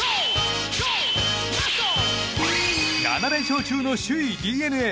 ７連勝中の首位ＤｅＮＡ。